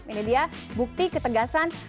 ini dia bukti ketegasan